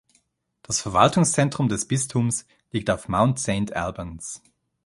Das Verwaltungszentrum des Bistums liegt auf Mount Saint Albans.